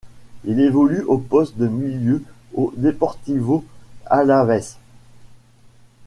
Il évolue au poste de milieu au Deportivo Alavés.